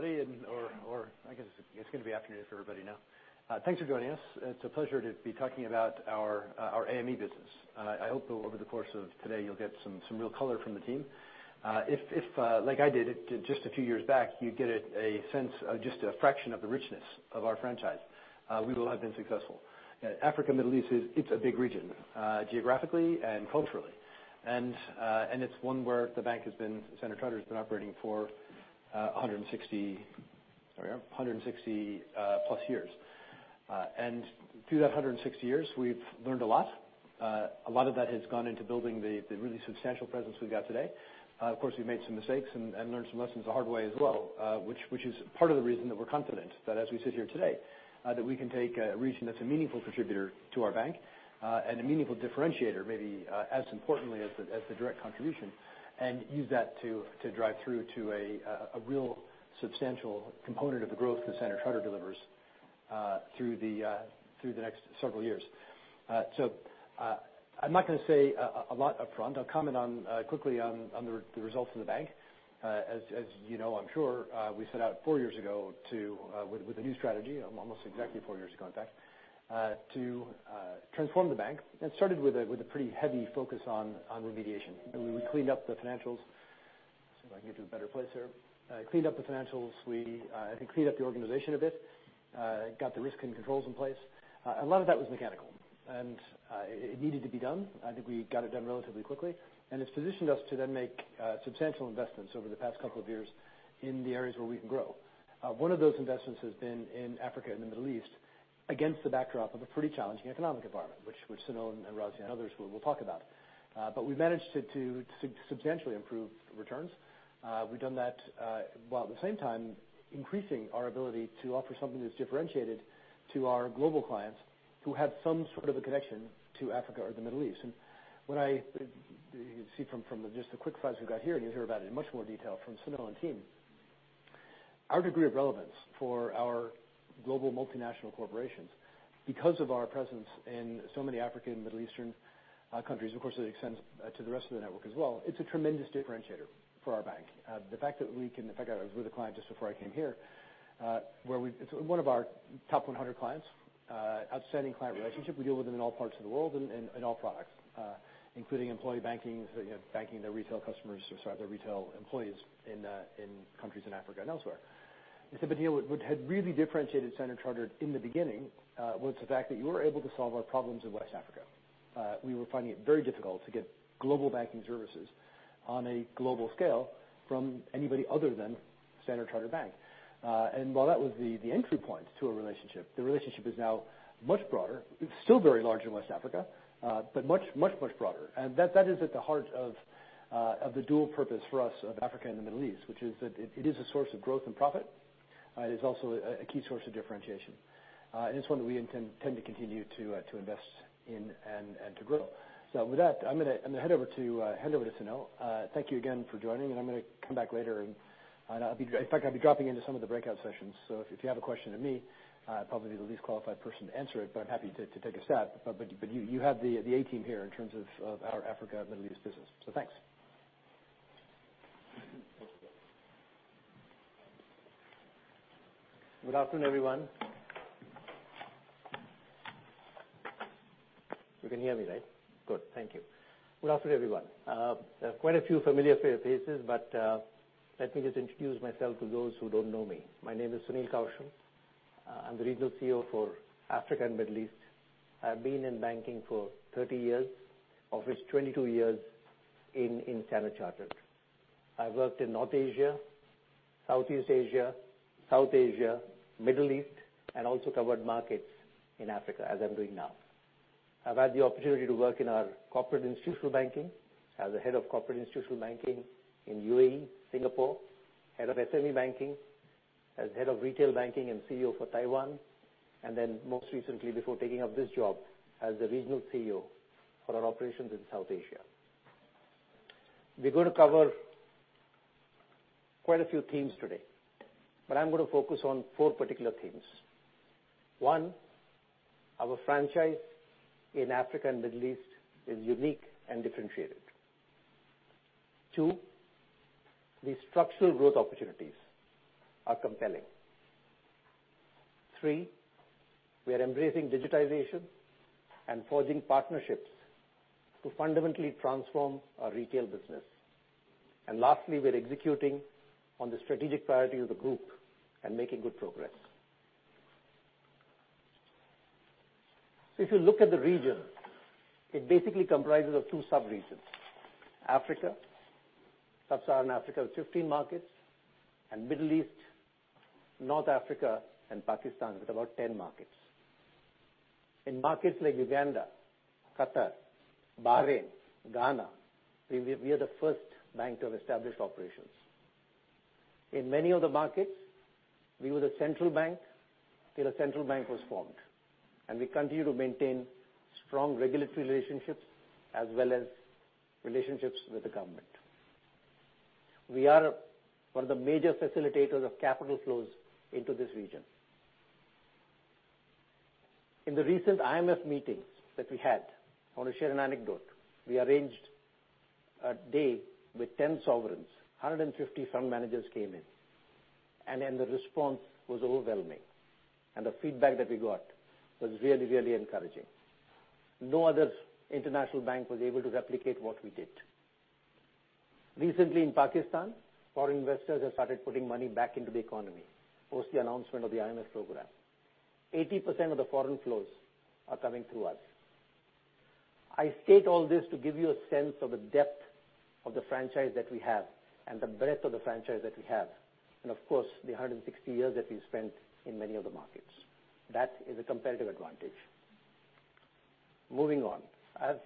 Good afternoon, everybody, or I guess it's going to be afternoon for everybody now. Thanks for joining us. It's a pleasure to be talking about our AME business. I hope that over the course of today you'll get some real color from the team. If, like I did just a few years back, you get a sense of just a fraction of the richness of our franchise, we will have been successful. Africa, Middle East, it's a big region, geographically and culturally. It's one where the bank has been, Standard Chartered has been operating for 160+ years. Through that 160 years, we've learned a lot. A lot of that has gone into building the really substantial presence we've got today. Of course, we've made some mistakes and learned some lessons the hard way as well, which is part of the reason that we're confident that as we sit here today, that we can take a region that's a meaningful contributor to our bank and a meaningful differentiator, maybe as importantly as the direct contribution, and use that to drive through to a real substantial component of the growth that Standard Chartered delivers through the next several years. I'm not going to say a lot upfront. I'll comment quickly on the results of the bank. As you know, I'm sure, we set out four years ago with a new strategy, almost exactly four years ago, in fact, to transform the bank, and started with a pretty heavy focus on remediation. We cleaned up the financials. See if I can get to a better place here. Cleaned up the financials. We, I think, cleaned up the organization a bit, got the risk and controls in place. A lot of that was mechanical, and it needed to be done. I think we got it done relatively quickly, and it's positioned us to then make substantial investments over the past couple of years in the areas where we can grow. One of those investments has been in Africa and the Middle East against the backdrop of a pretty challenging economic environment, which Sunil and Raziel and others will talk about. We've managed to substantially improve returns. We've done that while at the same time increasing our ability to offer something that's differentiated to our global clients who have some sort of a connection to Africa or the Middle East. What you see from just the quick slides we've got here, and you'll hear about it in much more detail from Sunil and team, our degree of relevance for our global multinational corporations, because of our presence in so many African, Middle Eastern countries, of course, it extends to the rest of the network as well. It's a tremendous differentiator for our bank. In fact, I was with a client just before I came here. It's one of our top 100 clients, outstanding client relationship. We deal with them in all parts of the world and in all products, including employee banking their retail customers, or sorry, their retail employees in countries in Africa and elsewhere. He said, "Sunil, what had really differentiated Standard Chartered in the beginning was the fact that you were able to solve our problems in West Africa. We were finding it very difficult to get global banking services on a global scale from anybody other than Standard Chartered Bank. While that was the entry point to a relationship, the relationship is now much broader. It's still very large in West Africa, but much broader. That is at the heart of the dual purpose for us of Africa and the Middle East, which is that it is a source of growth and profit. It is also a key source of differentiation. It's one that we intend to continue to invest in and to grow. With that, I'm gonna hand over to Sunil. Thank you again for joining, and I'm going to come back later. In fact, I'll be dropping into some of the breakout sessions, so if you have a question to me, I'll probably be the least qualified person to answer it, but I'm happy to take a stab. You have the A team here in terms of our Africa, Middle East business. Thanks. Good afternoon, everyone. You can hear me, right? Good. Thank you. Good afternoon, everyone. Quite a few familiar faces, but let me just introduce myself to those who don't know me. My name is Sunil Kaushal. I'm the Regional CEO for Africa and Middle East. I've been in banking for 30 years, of which 22 years in Standard Chartered. I've worked in North Asia, Southeast Asia, South Asia, Middle East, and also covered markets in Africa, as I'm doing now. I've had the opportunity to work in our Corporate Institutional Banking as the Head of Corporate Institutional Banking in UAE, Singapore, Head of SME Banking, as Head of Retail Banking and CEO for Taiwan, and then most recently, before taking up this job, as the Regional CEO for our operations in South Asia. We're going to cover quite a few themes today, but I'm going to focus on four particular themes. One, our franchise in Africa and Middle East is unique and differentiated. Two, the structural growth opportunities are compelling. Three, we are embracing digitization and forging partnerships to fundamentally transform our retail business. Lastly, we're executing on the strategic priority of the group and making good progress. If you look at the region, it basically comprises of two sub-regions, Africa, sub-Saharan Africa with 15 markets, and Middle East, North Africa, and Pakistan with about 10 markets. In markets like Uganda, Qatar, Bahrain, Ghana, we are the first bank to have established operations. In many of the markets, we were the central bank till a central bank was formed, and we continue to maintain strong regulatory relationships as well as relationships with the government. We are one of the major facilitators of capital flows into this region. In the recent IMF meetings that we had, I want to share an anecdote. We arranged a day with 10 sovereigns, 150 fund managers came in, and then the response was overwhelming, and the feedback that we got was really, really encouraging. No other international bank was able to replicate what we did. Recently in Pakistan, foreign investors have started putting money back into the economy post the announcement of the IMF program. 80% of the foreign flows are coming through us. I state all this to give you a sense of the depth of the franchise that we have and the breadth of the franchise that we have, and of course, the 160 years that we've spent in many of the markets. That is a competitive advantage. Moving on. I've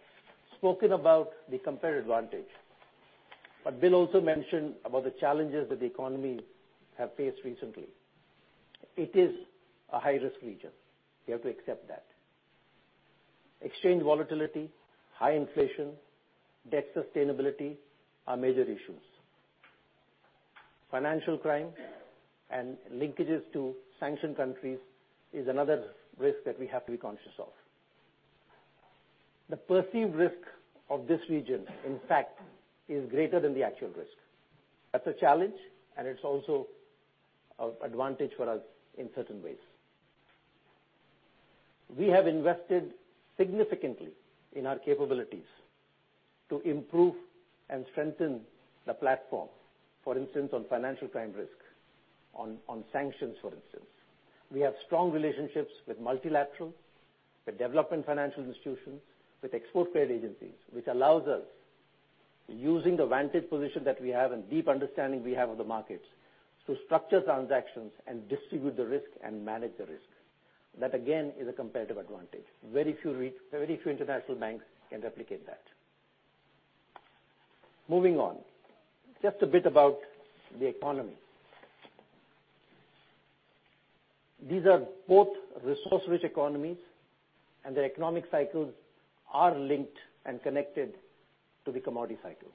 spoken about the competitive advantage, Bill also mentioned about the challenges that the economy have faced recently. It is a high-risk region. We have to accept that. Exchange volatility, high inflation, debt sustainability are major issues. Financial crime and linkages to sanctioned countries is another risk that we have to be conscious of. The perceived risk of this region, in fact, is greater than the actual risk. That's a challenge, and it's also advantage for us in certain ways. We have invested significantly in our capabilities to improve and strengthen the platform, for instance, on financial crime risk, on sanctions, for instance. We have strong relationships with multilaterals, with development financial institutions, with export credit agencies, which allows us, using the vantage position that we have and deep understanding we have of the markets, to structure transactions and distribute the risk and manage the risk. That, again, is a competitive advantage. Very few international banks can replicate that. Moving on. Just a bit about the economy. These are both resource-rich economies, their economic cycles are linked and connected to the commodity cycle.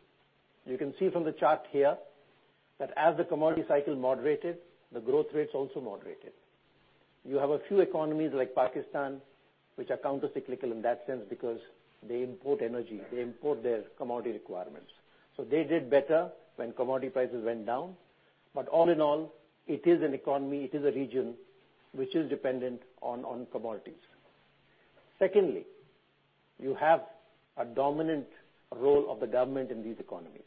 You can see from the chart here that as the commodity cycle moderated, the growth rates also moderated. You have a few economies like Pakistan, which are counter-cyclical in that sense because they import energy, they import their commodity requirements. They did better when commodity prices went down. All in all, it is an economy, it is a region which is dependent on commodities. Secondly, you have a dominant role of the government in these economies.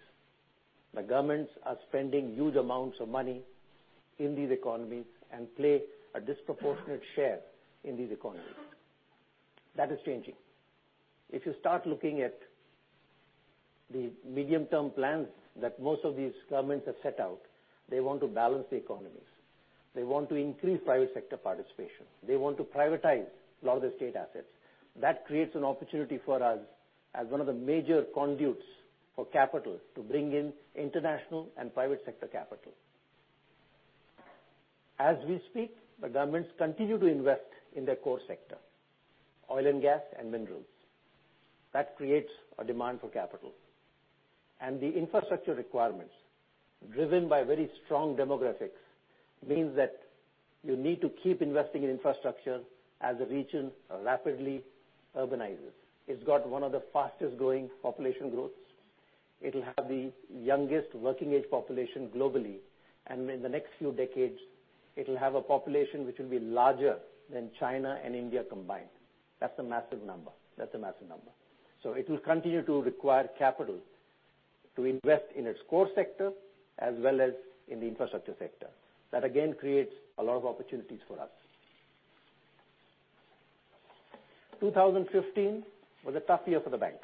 The governments are spending huge amounts of money in these economies and play a disproportionate share in these economies. That is changing. If you start looking at the medium-term plans that most of these governments have set out, they want to balance the economies. They want to increase private sector participation. They want to privatize a lot of the state assets. That creates an opportunity for us as one of the major conduits for capital to bring in international and private sector capital. As we speak, the governments continue to invest in their core sector, oil and gas, and minerals. That creates a demand for capital. The infrastructure requirements, driven by very strong demographics, means that you need to keep investing in infrastructure as the region rapidly urbanizes. It's got one of the fastest-growing population growths. It'll have the youngest working-age population globally, and in the next few decades, it'll have a population which will be larger than China and India combined. That's a massive number. It will continue to require capital to invest in its core sector, as well as in the infrastructure sector. That, again, creates a lot of opportunities for us. 2015 was a tough year for the bank.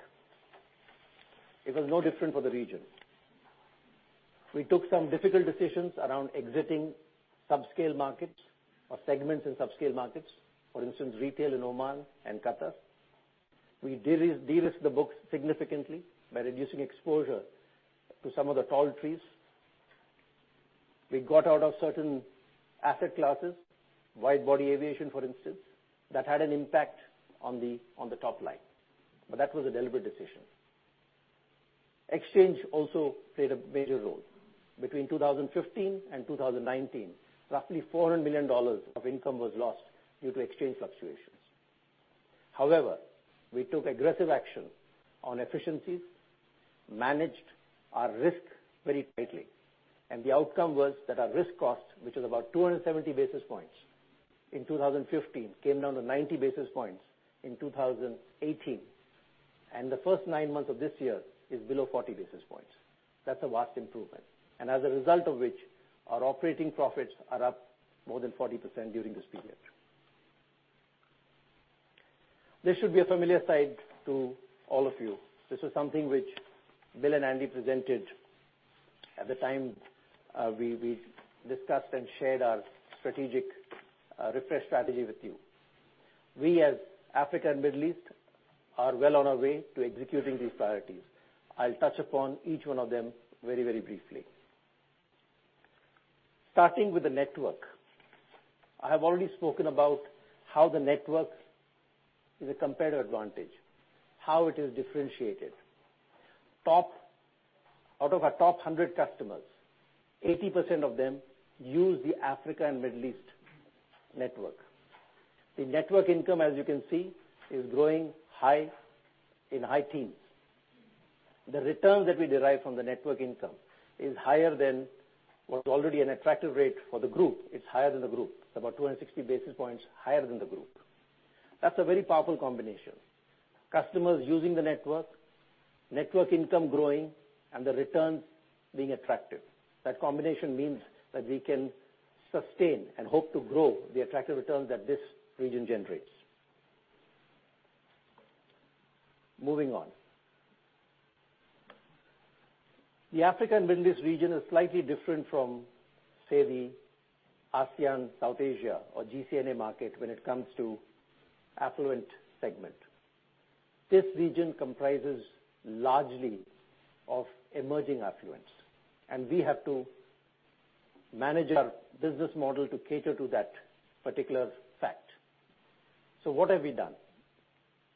It was no different for the region. We took some difficult decisions around exiting subscale markets or segments in subscale markets, for instance, retail in Oman and Qatar. We de-risked the books significantly by reducing exposure to some of the tall trees. We got out of certain asset classes, wide-body aviation, for instance, that had an impact on the top line, but that was a deliberate decision. Exchange also played a major role. Between 2015 and 2019, roughly $400 million of income was lost due to exchange fluctuations. However, we took aggressive action on efficiencies, managed our risk very tightly, and the outcome was that our risk cost, which was about 270 basis points in 2015, came down to 90 basis points in 2018. The first nine months of this year is below 40 basis points. That's a vast improvement, and as a result of which, our operating profits are up more than 40% during this period. This should be a familiar sight to all of you. This is something which Bill and Andy presented at the time we discussed and shared our refresh strategy with you. We, as Africa and Middle East, are well on our way to executing these priorities. I'll touch upon each one of them very briefly. Starting with the network. I have already spoken about how the network is a competitive advantage, how it is differentiated. Out of our top 100 customers, 80% of them use the Africa and Middle East network. The network income, as you can see, is growing high in high teens. The returns that we derive from the network income is higher than what was already an attractive rate for the group. It's higher than the group, about 260 basis points higher than the group. That's a very powerful combination. Customers using the network income growing, and the returns being attractive. That combination means that we can sustain and hope to grow the attractive returns that this region generates. Moving on. The Africa and Middle East region is slightly different from, say, the ASEAN South Asia or GCNA market when it comes to affluent segment. This region comprises largely of emerging affluence. We have to manage our business model to cater to that particular fact. What have we done?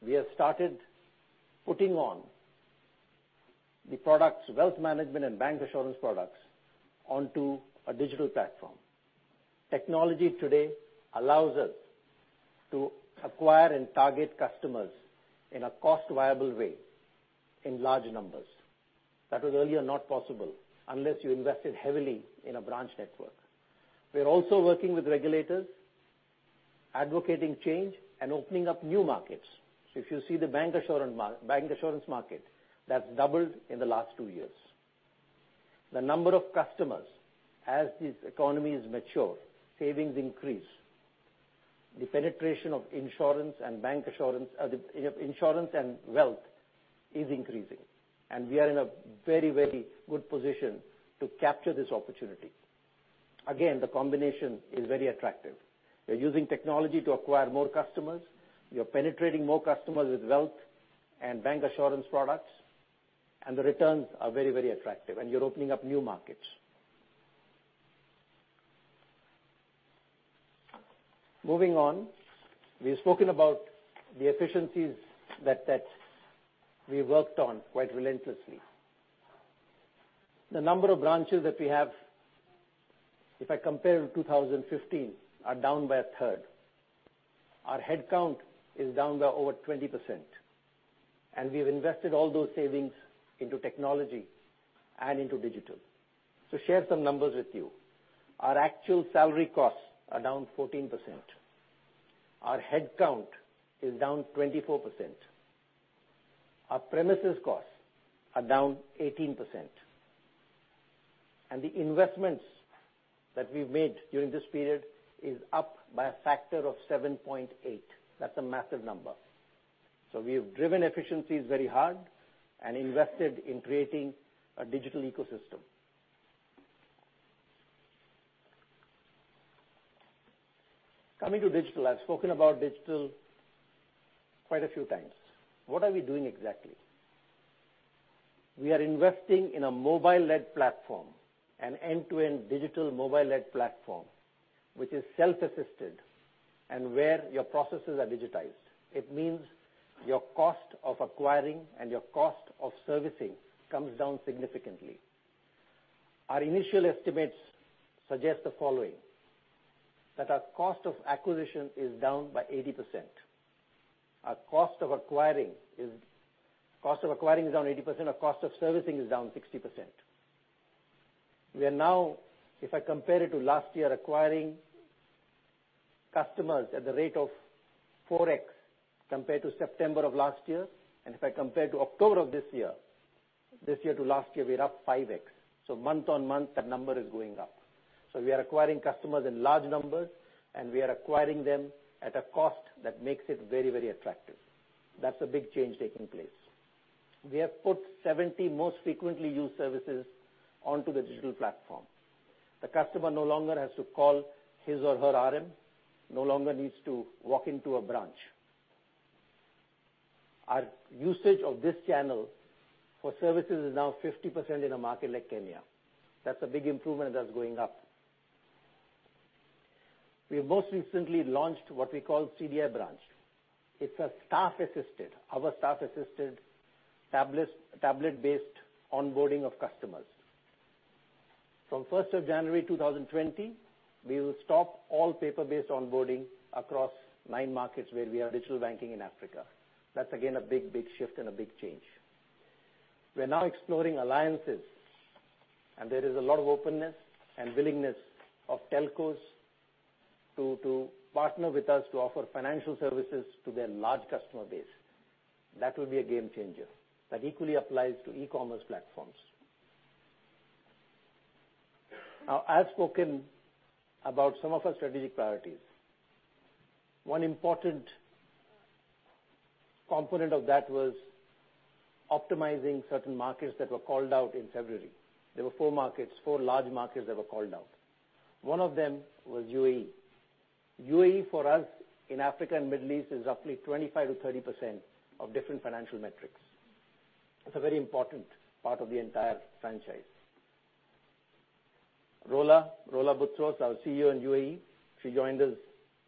We have started putting on the products, wealth management and bancassurance products, onto a digital platform. Technology today allows us to acquire and target customers in a cost-viable way in large numbers. That was earlier not possible unless you invested heavily in a branch network. We're also working with regulators, advocating change and opening up new markets. If you see the bancassurance market, that's doubled in the last two years. The number of customers, as this economy has matured, savings increase, the penetration of insurance and wealth is increasing, and we are in a very good position to capture this opportunity. Again, the combination is very attractive. We're using technology to acquire more customers. We are penetrating more customers with wealth and bancassurance products, and the returns are very attractive, and you're opening up new markets. Moving on, we've spoken about the efficiencies that we worked on quite relentlessly. The number of branches that we have, if I compare with 2015, are down by a third. Our head count is down by over 20%, and we've invested all those savings into technology and into digital. To share some numbers with you, our actual salary costs are down 14%. Our head count is down 24%. Our premises costs are down 18%. The investments that we've made during this period is up by a factor of 7.8. That's a massive number. We have driven efficiencies very hard and invested in creating a digital ecosystem. Coming to digital, I've spoken about digital quite a few times. What are we doing exactly? We are investing in a mobile-led platform, an end-to-end digital mobile-led platform, which is self-assisted and where your processes are digitized. It means your cost of acquiring and your cost of servicing comes down significantly. Our initial estimates suggest the following, that our cost of acquisition is down by 80%. Our cost of acquiring is down 80%. Our cost of servicing is down 60%. We are now, if I compare it to last year, acquiring customers at the rate of 4x compared to September of last year. If I compare to October of this year, this year to last year, we're up 5x. Month-on-month, that number is going up. We are acquiring customers in large numbers, and we are acquiring them at a cost that makes it very attractive. That's a big change taking place. We have put 70 most frequently used services onto the digital platform. The customer no longer has to call his or her RM, no longer needs to walk into a branch. Our usage of this channel for services is now 50% in a market like Kenya. That's a big improvement that's going up. We have most recently launched what we call CDI branch. It's a staff-assisted, our staff-assisted, tablet-based onboarding of customers. From 1st of January 2020, we will stop all paper-based onboarding across nine markets where we have digital banking in Africa. That's again, a big shift and a big change. We are now exploring alliances, and there is a lot of openness and willingness of telcos to partner with us to offer financial services to their large customer base. That will be a game changer. That equally applies to e-commerce platforms. Now, I have spoken about some of our strategic priorities. One important component of that was optimizing certain markets that were called out in February. There were four large markets that were called out. One of them was UAE. UAE for us in Africa and Middle East is roughly 25%-30% of different financial metrics. It's a very important part of the entire franchise. Rola Butros, our CEO in UAE. She joined us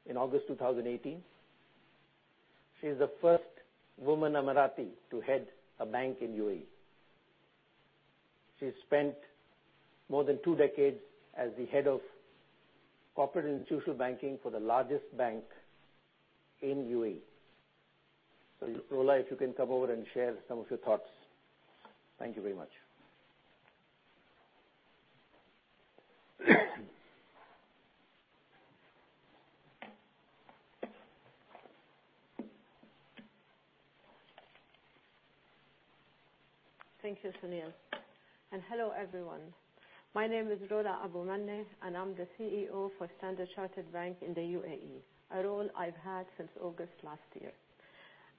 in August 2018. She is the first woman Emirati to head a bank in UAE. She spent more than two decades as the head of corporate institutional banking for the largest bank in UAE. Rola, if you can come over and share some of your thoughts. Thank you very much. Thank you, Sunil. Hello, everyone. My name is Rola Abu Manneh, and I'm the CEO for Standard Chartered Bank in the UAE, a role I've had since August last year.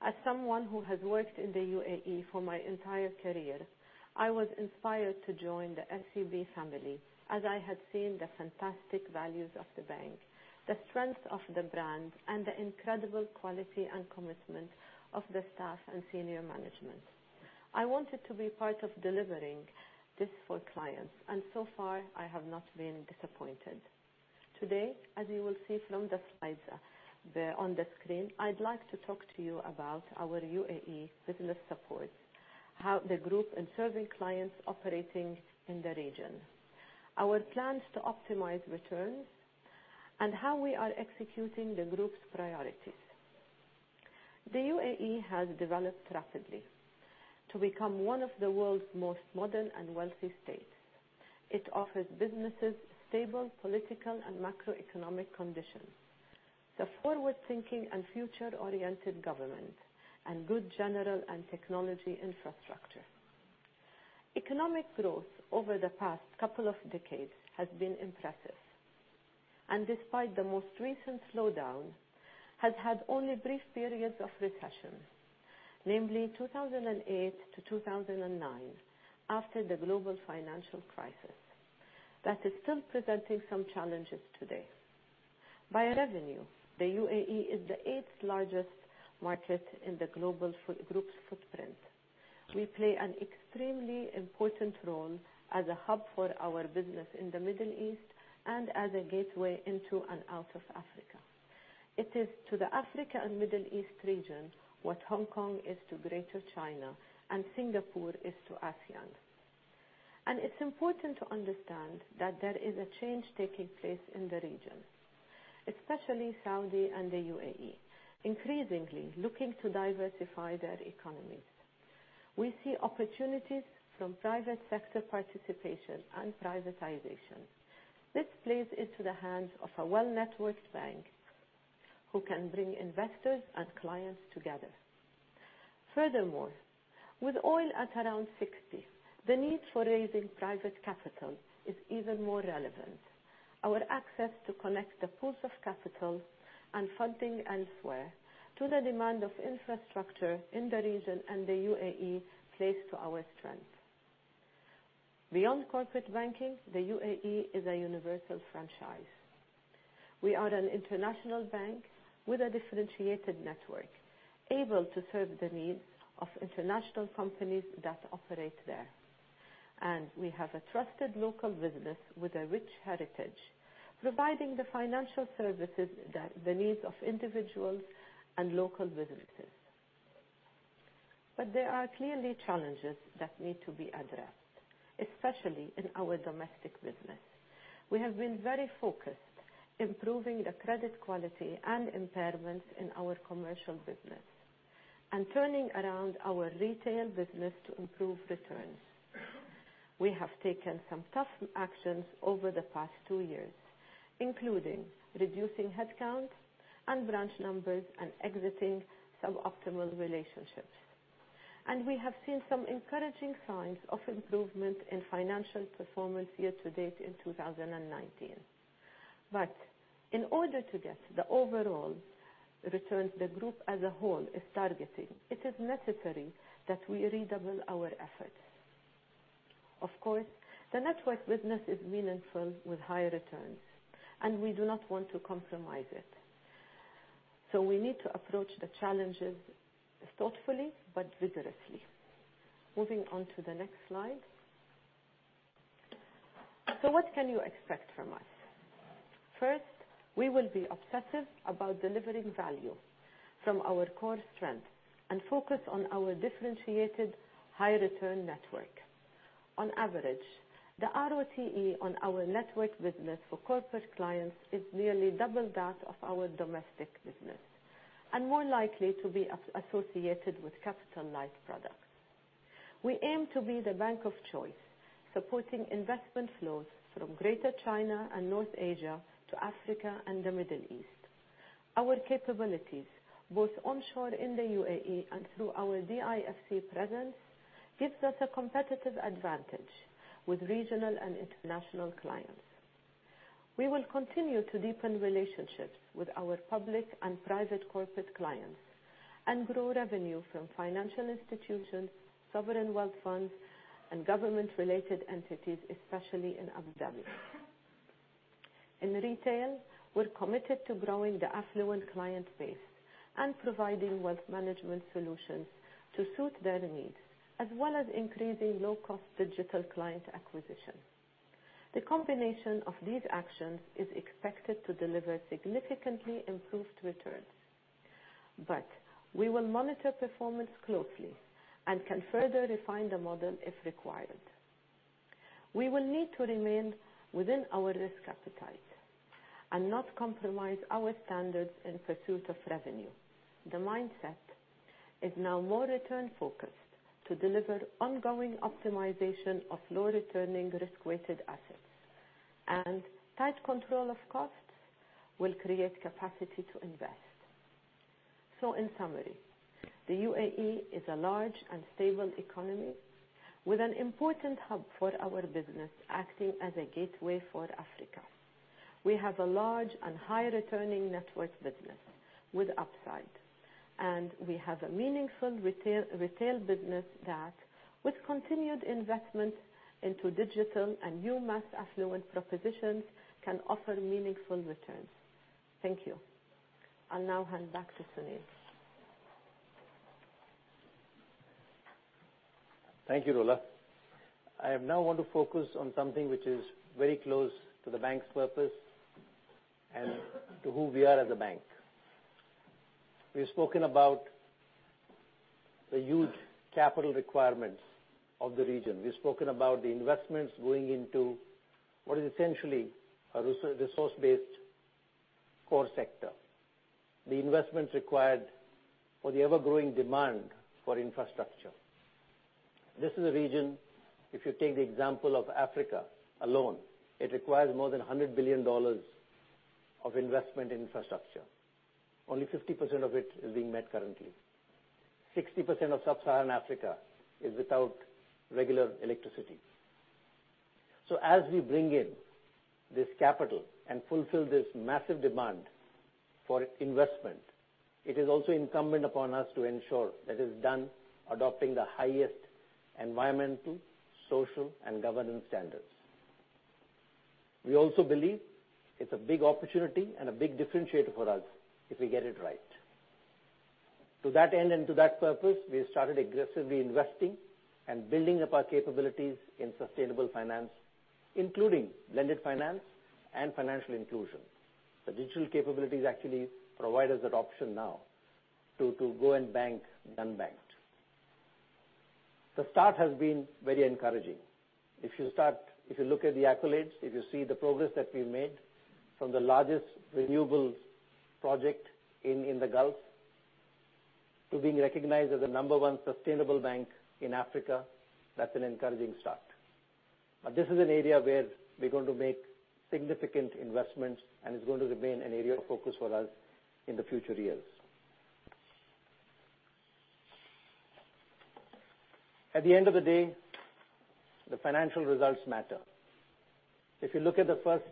As someone who has worked in the UAE for my entire career, I was inspired to join the SCB family, as I had seen the fantastic values of the bank, the strength of the brand, and the incredible quality and commitment of the staff and senior management. I wanted to be part of delivering this for clients, and so far, I have not been disappointed. Today, as you will see from the slides there on the screen, I'd like to talk to you about our UAE business support, how the group in serving clients operating in the region, our plans to optimize returns, and how we are executing the group's priorities. The UAE has developed rapidly to become one of the world's most modern and wealthy states. It offers businesses stable political and macroeconomic conditions, the forward-thinking and future-oriented government, and good general and technology infrastructure. Economic growth over the past couple of decades has been impressive, and despite the most recent slowdown, has had only brief periods of recession, namely 2008-2009, after the global financial crisis. That is still presenting some challenges today. By revenue, the UAE is the eighth-largest market in the global group's footprint. We play an extremely important role as a hub for our business in the Middle East and as a gateway into and out of Africa. It is to the Africa and Middle East region what Hong Kong is to Greater China and Singapore is to ASEAN. It's important to understand that there is a change taking place in the region, especially Saudi and the UAE, increasingly looking to diversify their economies. We see opportunities from private sector participation and privatization. This plays into the hands of a well-networked bank who can bring investors and clients together. Furthermore, with oil at around $60, the need for raising private capital is even more relevant. Our access to connect the pools of capital and funding elsewhere to the demand of infrastructure in the region and the UAE plays to our strength. Beyond corporate banking, the UAE is a universal franchise. We are an international bank with a differentiated network, able to serve the needs of international companies that operate there. We have a trusted local business with a rich heritage, providing the financial services that the needs of individuals and local businesses. There are clearly challenges that need to be addressed, especially in our domestic business. We have been very focused, improving the credit quality and impairments in our commercial business and turning around our retail business to improve returns. We have taken some tough actions over the past two years, including reducing headcount and branch numbers and exiting suboptimal relationships. We have seen some encouraging signs of improvement in financial performance year-to-date in 2019. In order to get the overall returns the group as a whole is targeting, it is necessary that we redouble our efforts. Of course, the network business is meaningful with high returns, and we do not want to compromise it. We need to approach the challenges thoughtfully but vigorously. Moving on to the next slide. What can you expect from us? First, we will be obsessive about delivering value from our core strengths and focus on our differentiated high-return network. On average, the ROCE on our network business for corporate clients is nearly double that of our domestic business and more likely to be associated with capital-light products. We aim to be the bank of choice, supporting investment flows from Greater China and North Asia to Africa and the Middle East. Our capabilities, both onshore in the UAE and through our DIFC presence, gives us a competitive advantage with regional and international clients. We will continue to deepen relationships with our public and private corporate clients and grow revenue from financial institutions, sovereign wealth funds, and government-related entities, especially in Abu Dhabi. In retail, we're committed to growing the affluent client base and providing wealth management solutions to suit their needs, as well as increasing low-cost digital client acquisition. The combination of these actions is expected to deliver significantly improved returns. We will monitor performance closely and can further refine the model if required. We will need to remain within our risk appetite and not compromise our standards in pursuit of revenue. The mindset is now more return-focused to deliver ongoing optimization of low-returning Risk-Weighted Assets, and tight control of costs will create capacity to invest. In summary, the UAE is a large and stable economy with an important hub for our business, acting as a gateway for Africa. We have a large and high-returning networks business with upside, and we have a meaningful retail business that, with continued investment into digital and new mass affluent propositions, can offer meaningful returns. Thank you. I'll now hand back to Sunil. Thank you, Rola. I now want to focus on something which is very close to the bank's purpose and to who we are as a bank. We've spoken about the huge capital requirements of the region. We've spoken about the investments going into what is essentially a resource-based core sector, the investments required for the ever-growing demand for infrastructure. This is a region, if you take the example of Africa alone, it requires more than $100 billion of investment in infrastructure. Only 50% of it is being met currently. 60% of sub-Saharan Africa is without regular electricity. As we bring in this capital and fulfill this massive demand for investment, it is also incumbent upon us to ensure that is done adopting the highest environmental, social, and governance standards. We also believe it's a big opportunity and a big differentiator for us if we get it right. To that end and to that purpose, we started aggressively investing and building up our capabilities in sustainable finance, including blended finance and financial inclusion. The digital capabilities actually provide us that option now to go and bank the unbanked. The start has been very encouraging. If you look at the accolades, if you see the progress that we've made from the largest renewables project in The Gulf to being recognized as the number one sustainable bank in Africa, that's an encouraging start. This is an area where we're going to make significant investments, and it's going to remain an area of focus for us in the future years. At the end of the day, the financial results matter. If you look at the first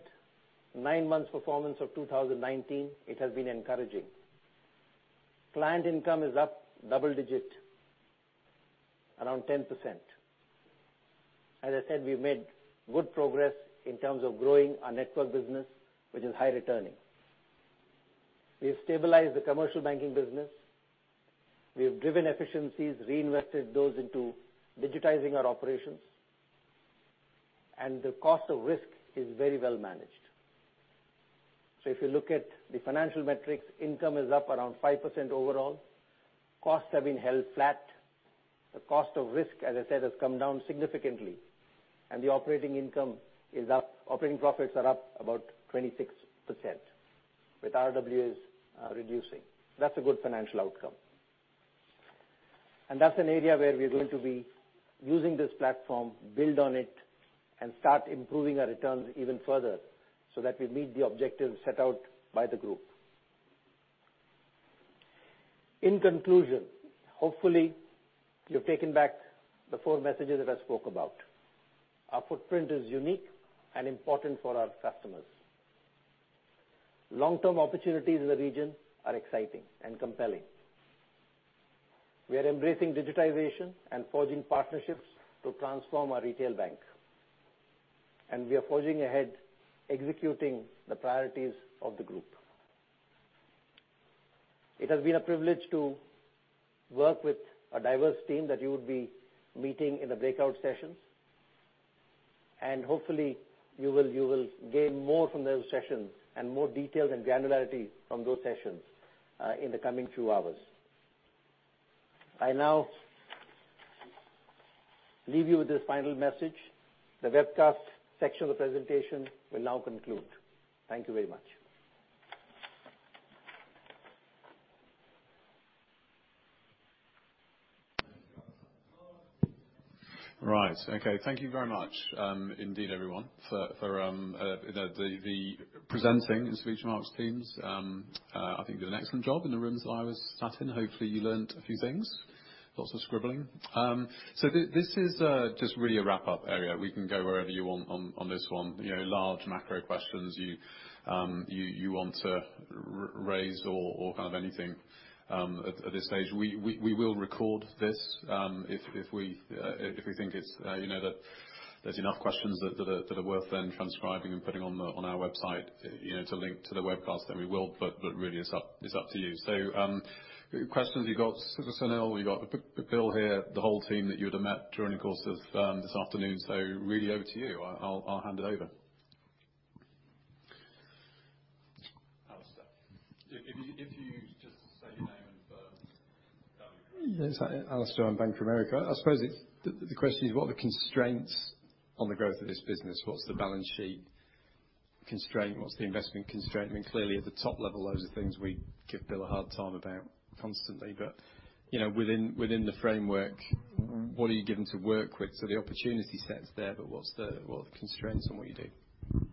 nine months performance of 2019, it has been encouraging. Client income is up double digit, around 10%. As I said, we've made good progress in terms of growing our network business, which is high returning. We have stabilized the commercial banking business. We have driven efficiencies, reinvested those into digitizing our operations, and the cost of risk is very well managed. If you look at the financial metrics, income is up around 5% overall. Costs have been held flat. The cost of risk, as I said, has come down significantly, and the operating income is up. Operating profits are up about 26%, with RWAs reducing. That's a good financial outcome. That's an area where we're going to be using this platform, build on it, and start improving our returns even further so that we meet the objectives set out by the group. In conclusion, hopefully you've taken back the four messages that I spoke about. Our footprint is unique and important for our customers. Long-term opportunities in the region are exciting and compelling. We are embracing digitization and forging partnerships to transform our retail bank, and we are forging ahead executing the priorities of the group. It has been a privilege to work with a diverse team that you will be meeting in the breakout sessions, and hopefully you will gain more from those sessions and more details and granularity from those sessions, in the coming few hours. I now leave you with this final message. The webcast section of the presentation will now conclude. Thank you very much. Right. Okay. Thank you very much, indeed, everyone, for the presenting strategic markets teams. I think they did an excellent job in the rooms that I was sat in. Hopefully, you learned a few things. Lots of scribbling. This is just really a wrap-up area. We can go wherever you want on this one. Large macro questions you want to raise or kind of anything at this stage. We will record this, if we think there's enough questions that are worth then transcribing and putting on our website, to link to the webcast, then we will. Really it's up to you. For questions, we've got Sunil, we've got Bill here, the whole team that you would've met during the course of this afternoon. Really over to you. I'll hand it over. Alastair. If you just say your name and firm. Yes. Alastair on Bank of America. I suppose the question is, what are the constraints on the growth of this business? What's the balance sheet constraint? What's the investment constraint? Clearly at the top level, those are things we give Bill a hard time about constantly. Within the framework, what are you given to work with? The opportunity set's there, but what are the constraints on what you do?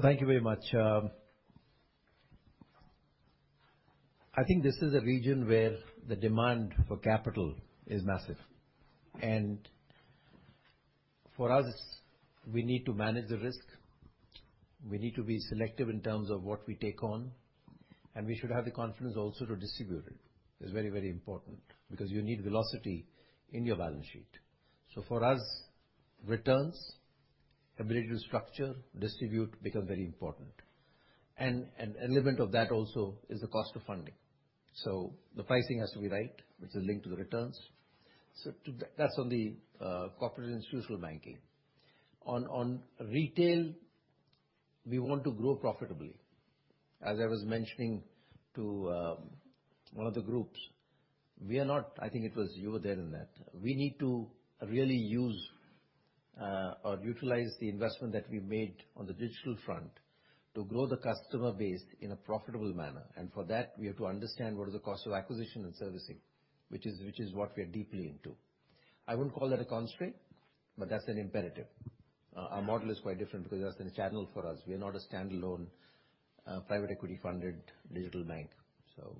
Thank you very much. I think this is a region where the demand for capital is massive. For us, we need to manage the risk. We need to be selective in terms of what we take on, and we should have the confidence also to distribute it. It's very important, because you need velocity in your balance sheet. For us, returns, ability to structure, distribute, become very important. An element of that also is the cost of funding. The pricing has to be right, which is linked to the returns. That's on the corporate institutional banking. On retail, we want to grow profitably. As I was mentioning to one of the groups, I think it was you were there in that. We need to really use, or utilize the investment that we made on the digital front to grow the customer base in a profitable manner. For that we have to understand what is the cost of acquisition and servicing, which is what we are deeply into. I wouldn't call that a constraint, but that's an imperative. Our model is quite different because that's the channel for us. We are not a standalone, private equity funded digital bank. Okay,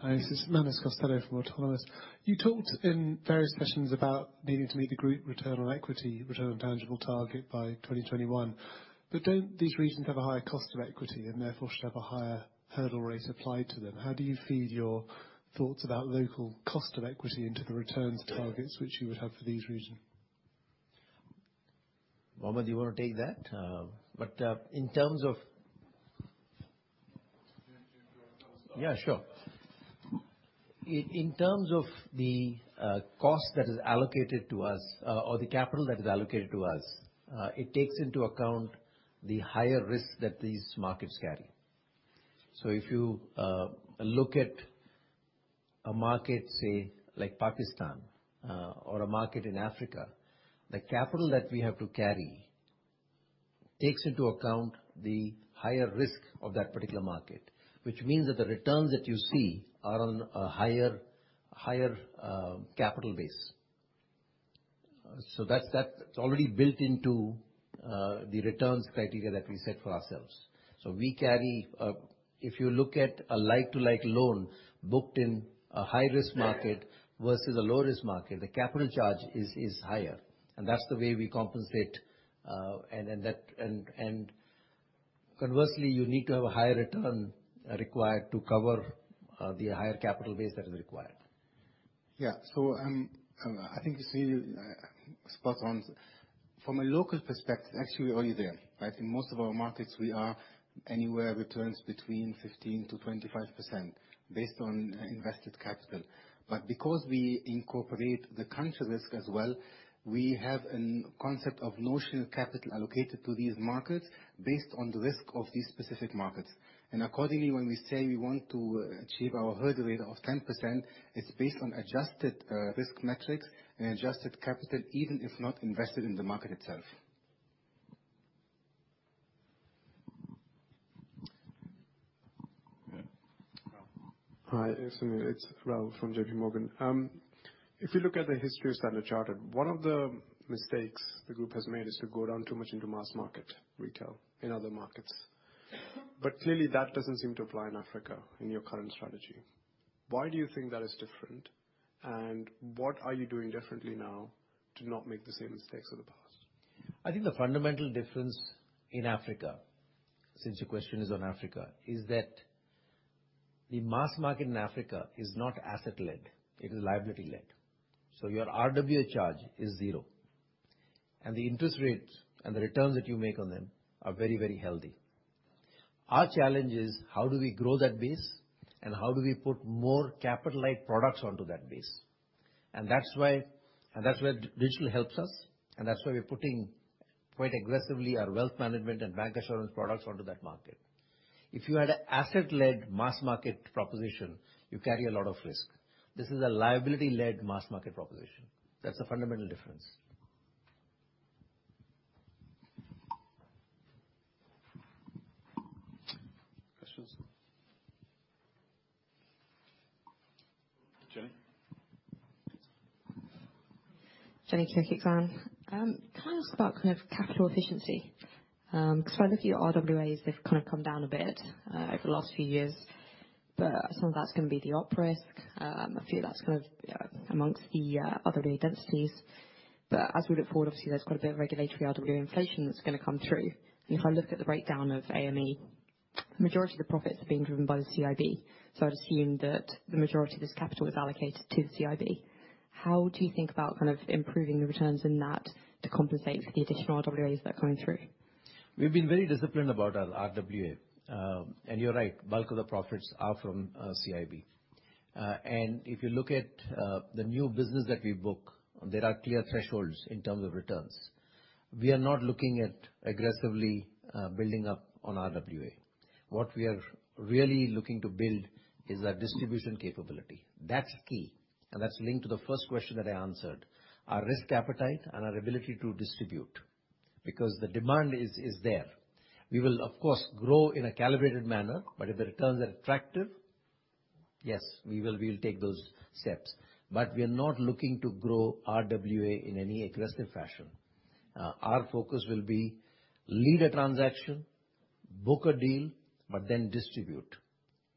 cool. We'll come in close to Manus and I'll hand it to you, and then I'll come over this side. There you go. Hi. This is Manus Costello from Autonomous. You talked in various sessions about needing to meet the group return on equity, return on tangible target by 2021. Don't these regions have a higher cost of equity and therefore should have a higher hurdle rate applied to them? How do you feed your thoughts about local cost of equity into the returns targets, which you would have for these regions? Mohammed, you want to take that? In terms of Can you use your own microphone? Yeah, sure. In terms of the cost that is allocated to us, or the capital that is allocated to us, it takes into account the higher risk that these markets carry. If you look at a market, say, like Pakistan, or a market in Africa, the capital that we have to carry takes into account the higher risk of that particular market. Which means that the returns that you see are on a higher capital base. That's already built into the returns criteria that we set for ourselves. We carry, if you look at a like-to-like loan booked in a high-risk market versus a low-risk market, the capital charge is higher, and that's the way we compensate. Conversely, you need to have a higher return required to cover the higher capital base that is required. Yeah. I think you're spot on. From a local perspective, actually we're already there, right? In most of our markets, we are anywhere returns between 15%-25%, based on invested capital. Because we incorporate the country risk as well, we have a concept of notional capital allocated to these markets based on the risk of these specific markets. Accordingly, when we say we want to achieve our hurdle rate of 10%, it's based on adjusted risk metrics and adjusted capital, even if not invested in the market itself. Yeah. Hi, it's Raul from JP Morgan. If you look at the history of Standard Chartered, one of the mistakes the group has made is to go down too much into mass market retail in other markets. Clearly that doesn't seem to apply in Africa in your current strategy. Why do you think that is different, and what are you doing differently now to not make the same mistakes of the past? I think the fundamental difference in Africa, since your question is on Africa, is that the mass market in Africa is not asset led, it is liability led. Your RWA charge is zero, and the interest rates and the returns that you make on them are very healthy. Our challenge is how do we grow that base and how do we put more capital-like products onto that base? That's where digital helps us, that's why we are putting quite aggressively our wealth management and bancassurance products onto that market. If you had an asset-led mass market proposition, you carry a lot of risk. This is a liability-led mass market proposition. That's the fundamental difference. Questions? Jenny. Jenny, QIC Fund. Can I ask about capital efficiency? When I look at your RWAs, they've come down a bit over the last few years. Some of that's going to be the op risk. A few of that's kind of amongst the other. [inaudible] As we look forward, obviously, there's quite a bit of regulatory RWA inflation that's going to come through. If I look at the breakdown of AME, the majority of the profits are being driven by the CIB. I'd assume that the majority of this capital is allocated to the CIB. How do you think about improving the returns in that to compensate for the additional RWAs that are coming through? We've been very disciplined about our RWA. You're right, the bulk of the profits are from CIB. If you look at the new business that we book, there are clear thresholds in terms of returns. We are not looking at aggressively building up on RWA. What we are really looking to build is our distribution capability. That's key. That's linked to the first question that I answered, our risk appetite and our ability to distribute, because the demand is there. We will, of course, grow in a calibrated manner, but if the returns are attractive, yes, we'll take those steps. We are not looking to grow RWA in any aggressive fashion. Our focus will be lead a transaction, book a deal, but then distribute.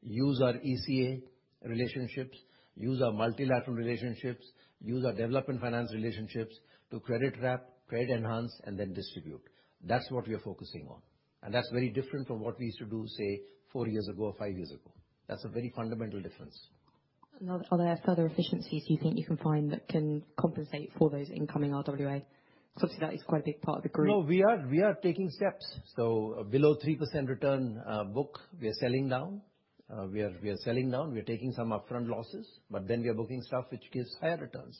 Use our ECA relationships, use our multilateral relationships, use our development finance relationships to credit wrap, credit enhance, and then distribute. That's what we are focusing on. That's very different from what we used to do, say, four years ago or five years ago. That's a very fundamental difference. Are there further efficiencies you think you can find that can compensate for those incoming RWA? Obviously, that is quite a big part of the group. We are taking steps. Below 3% return book, we are selling down. We are selling down, we're taking some upfront losses, but then we are booking stuff which gives higher returns.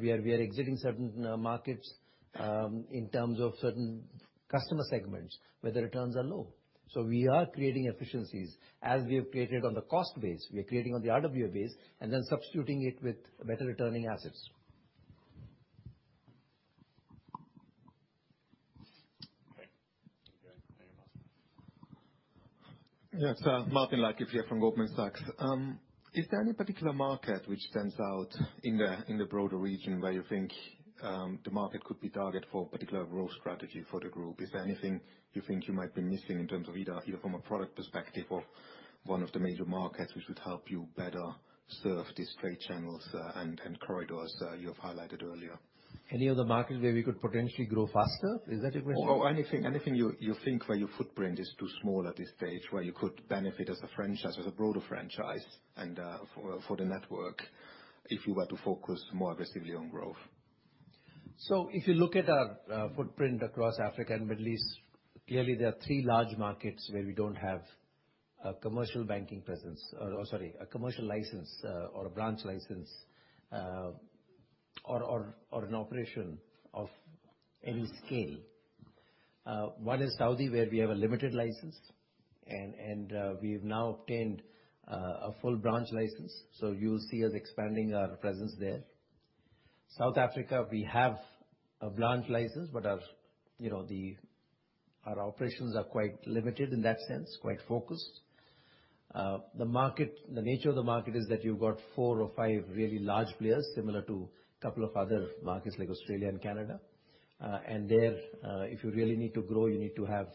We are exiting certain markets in terms of certain customer segments where the returns are low. We are creating efficiencies, as we have created on the cost base. We are creating on the RWA base and then substituting it with better returning assets. Okay. Thank you, Martin. Yes. Martin Leitgeb from Goldman Sachs. Is there any particular market which stands out in the broader region where you think the market could be target for particular growth strategy for the group? Is there anything you think you might be missing in terms of either from a product perspective or one of the major markets which would help you better serve these trade channels and corridors you have highlighted earlier? Any other markets where we could potentially grow faster? Is that your question? Anything you think where your footprint is too small at this stage, where you could benefit as a broader franchise and for the network, if you were to focus more aggressively on growth. If you look at our footprint across Africa and Middle East, clearly, there are three large markets where we don't have a commercial banking presence, or, sorry, a commercial license or a branch license, or an operation of any scale. One is Saudi, where we have a limited license, and we've now obtained a full branch license. You'll see us expanding our presence there. South Africa, we have a branch license, but our operations are quite limited in that sense, quite focused. The nature of the market is that you've got four or five really large players, similar to a couple of other markets like Australia and Canada. There, if you really need to grow, you need to have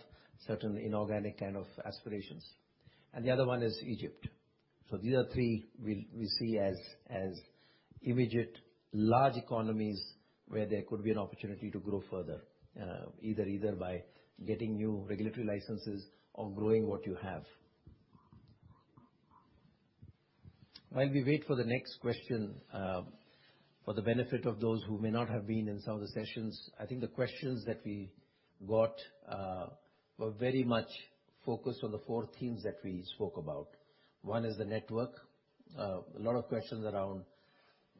certain inorganic kind of aspirations. The other one is Egypt. These are three we see as immediate large economies where there could be an opportunity to grow further, either by getting new regulatory licenses or growing what you have. While we wait for the next question, for the benefit of those who may not have been in some of the sessions, I think the questions that we got were very much focused on the four themes that we spoke about. One is the network. A lot of questions around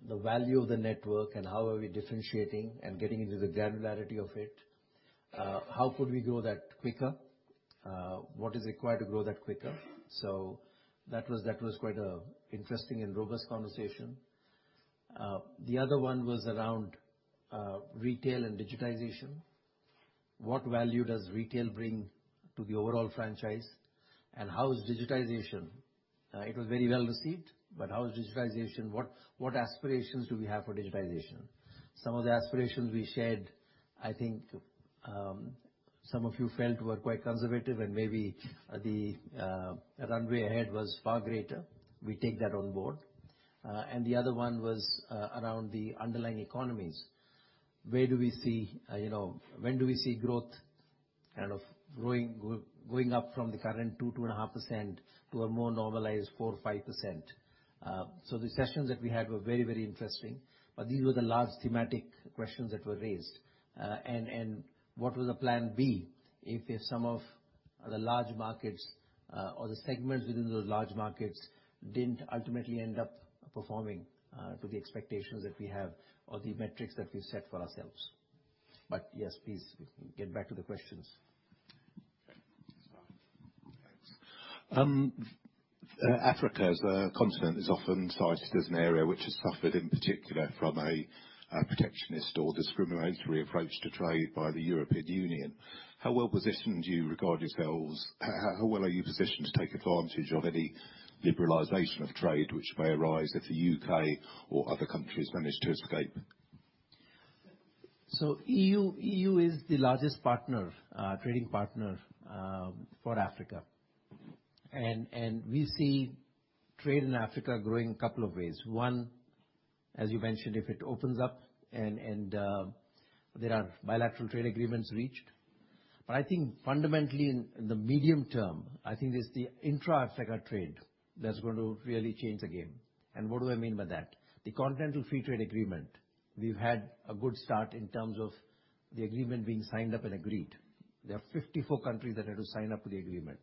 the value of the network and how are we differentiating and getting into the granularity of it. How could we grow that quicker? What is required to grow that quicker? That was quite an interesting and robust conversation. The other one was around retail and digitization. What value does retail bring to the overall franchise, and how is digitization? It was very well received, how is digitization? What aspirations do we have for digitization? Some of the aspirations we shared, I think, some of you felt were quite conservative, and maybe the runway ahead was far greater. We take that on board. The other one was around the underlying economies. When do we see growth kind of going up from the current 2-2.5% to a more normalized 4%-5%? The sessions that we had were very, very interesting, but these were the large thematic questions that were raised. What was the plan B if some of the large markets or the segments within those large markets didn't ultimately end up performing to the expectations that we have or the metrics that we set for ourselves. Yes, please, get back to the questions. Okay. Africa as a continent is often cited as an area which has suffered, in particular, from a protectionist or discriminatory approach to trade by the European Union. How well-positioned do you regard yourselves? How well are you positioned to take advantage of any liberalization of trade which may arise if the U.K. or other countries manage to escape? EU is the largest trading partner for Africa. We see trade in Africa growing a couple of ways. One, as you mentioned, if it opens up and there are bilateral trade agreements reached. I think fundamentally in the medium term, I think it's the intra-Africa trade that's going to really change the game. What do I mean by that? The Continental Free Trade Agreement, we've had a good start in terms of the agreement being signed up and agreed. There are 54 countries that had to sign up to the agreement.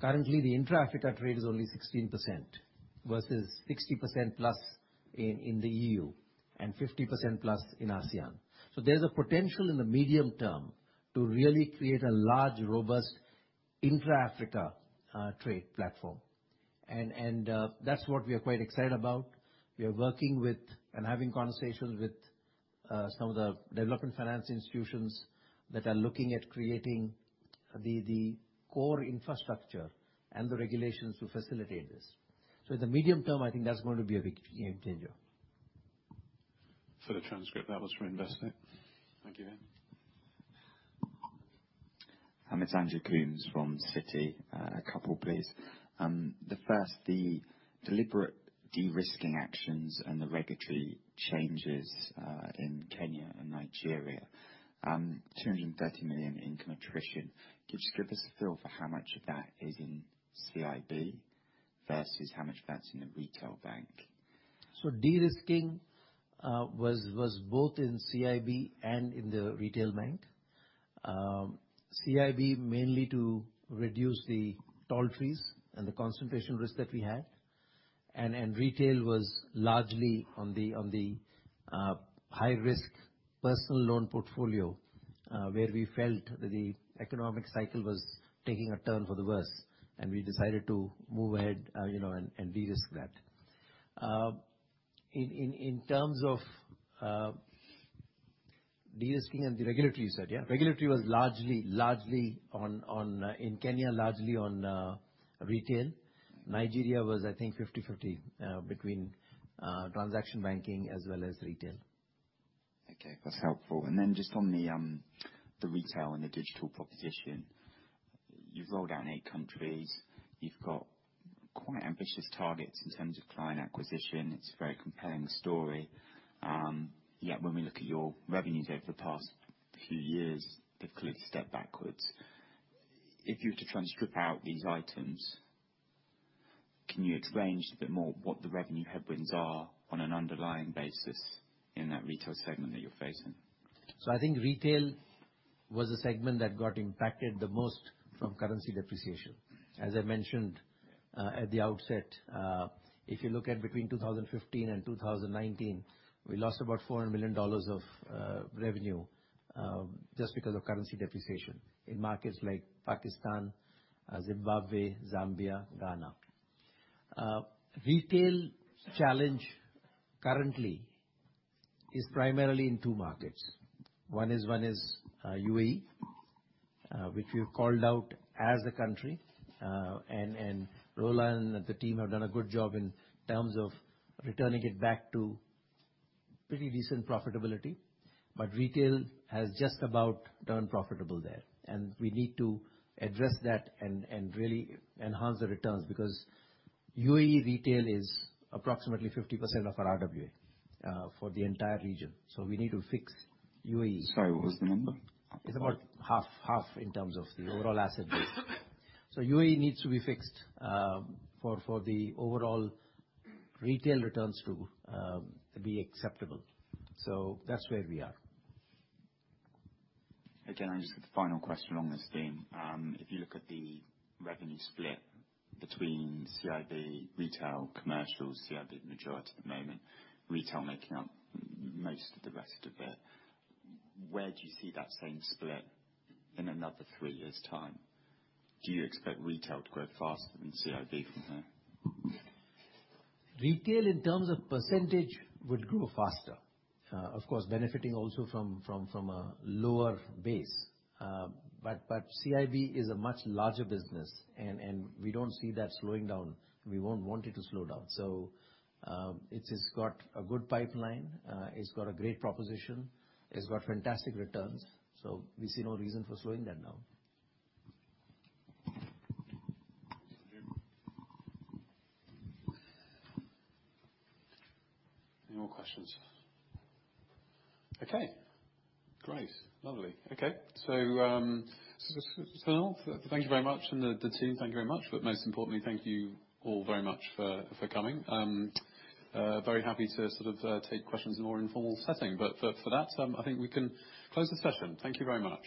Currently, the intra-Africa trade is only 16%, versus 60% plus in the EU and 50% plus in ASEAN. There's a potential in the medium term to really create a large, robust intra-Africa trade platform. That's what we are quite excited about. We are working with and having conversations with some of the development finance institutions that are looking at creating the core infrastructure and the regulations to facilitate this. In the medium term, I think that's going to be a big game changer. For the transcript, that was for Investec. Thank you. It's Andrew Coombs from Citi. A couple, please. The first, the deliberate de-risking actions and the regulatory changes, in Kenya and Nigeria, $230 million income attrition. Could you just give us a feel for how much of that is in CIB versus how much of that's in the retail bank? De-risking was both in CIB and in the retail bank. CIB mainly to reduce the tall trees and the concentration risk that we had. Retail was largely on the high-risk personal loan portfolio, where we felt that the economic cycle was taking a turn for the worse, and we decided to move ahead and de-risk that. In terms of de-risking and the regulatory you said, yeah. Regulatory was in Kenya, largely on retail. Nigeria was, I think 50/50 between transaction banking as well as retail. Okay. That's helpful. Then just on the retail and the digital proposition. You've rolled out in eight countries. You've got quite ambitious targets in terms of client acquisition. It's a very compelling story. Yet when we look at your revenues over the past few years, they've clearly stepped backwards. If you were to try and strip out these items, can you explain just a bit more what the revenue headwinds are on an underlying basis in that retail segment that you're facing? I think retail was a segment that got impacted the most from currency depreciation. As I mentioned, at the outset, if you look at between 2015 and 2019, we lost about $400 million of revenue, just because of currency depreciation in markets like Pakistan, Zimbabwe, Zambia, Ghana. Retail challenge currently is primarily in two markets. One is UAE, which we have called out as a country. Rola and the team have done a good job in terms of returning it back to pretty decent profitability. retail has just about turned profitable there, and we need to address that and really enhance the returns because UAE retail is approximately 50% of our RWA for the entire region. We need to fix UAE. Sorry, what was the number? It's about half in terms of the overall asset base. UAE needs to be fixed for the overall retail returns to be acceptable. That's where we are. I just have the final question along this theme. If you look at the revenue split between CIB retail, commercials, CIB majority at the moment, retail making up most of the rest of it, where do you see that same split in another three years' time? Do you expect retail to grow faster than CIB from here? Retail in terms of % would grow faster. Of course, benefiting also from a lower base. CIB is a much larger business and we don't see that slowing down. We won't want it to slow down. It's just got a good pipeline. It's got a great proposition. It's got fantastic returns. We see no reason for slowing that down. Any more questions? Okay, great. Lovely. Okay. Sunil, thank you very much and the team, thank you very much. Most importantly, thank you all very much for coming. Very happy to sort of take questions in a more informal setting. For that, I think we can close the session. Thank you very much